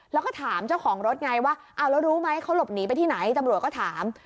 แล้วก็ถามเจ้าของรถไงว่าเอาแล้วรู้ไหมเขาหลบหนีไปที่ไหนตำรวจก็ถาม